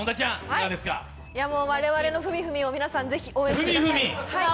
我々のフミフミを皆さん、ぜひ応援してください。